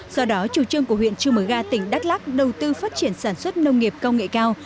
do đó chủ trương của huyện chư mờ ga tỉnh đắk lắc đầu tư phát triển sản xuất nông nghiệp công nghệ cao